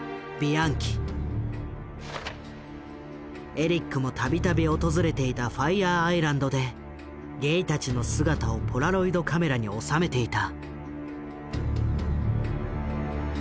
エリックも度々訪れていたファイヤーアイランドでゲイたちの姿をポラロイドカメラに収めていた。